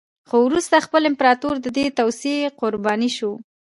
خو وروسته خپله امپراتور د دې توطیې قربا شو